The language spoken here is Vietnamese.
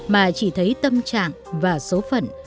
mà chỉ thấy tâm trạng và số phận